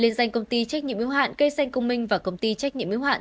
liên danh công ty trách nhiệm mưu hạn cây xanh công minh và công ty trách nhiệm mưu hạn